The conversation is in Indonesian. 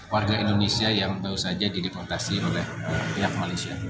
warga indonesia yang baru saja dideportasi oleh pihak malaysia